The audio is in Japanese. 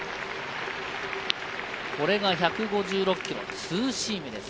これが１５６キロ、ツーシームです。